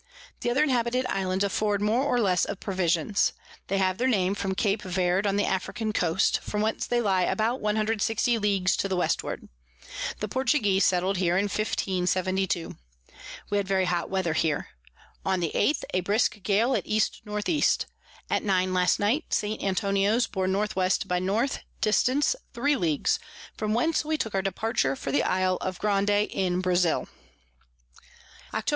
The other inhabited Islands afford more or less of Provisions. They have their Name from Cape Verd on the African Coast, from whence they lie about 160 Leagues to the Westward. The Portuguese settled here in 1572. We had very hot Weather here. On the 8_th_ a brisk Gale at E N E. At nine last night St. Antonio's bore N W by N. dist. 3 Ls. from whence we took our Departure for the Isle of Grande in Brazile. _Octob.